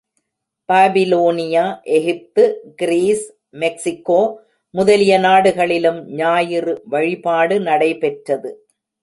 Babylonia, Egypt, Greece, Mexico முதலிய நாடுகளிலும் ஞாயிறு வழிபாடு நடைபெற்றது.